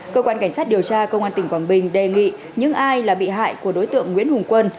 cơ quan cảnh sát điều tra công an tỉnh quảng bình đề nghị những ai là bị hại của đối tượng nguyễn hùng quân